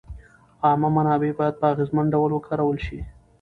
عامه منابع باید په اغېزمن ډول وکارول شي.